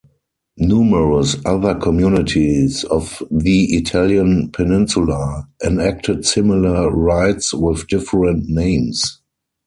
Numerous other communities of the Italian peninsula enacted similar rites with different names.